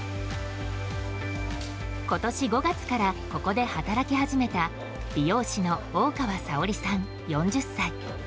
今年５月からここで働き始めた美容師の大川沙保里さん、４０歳。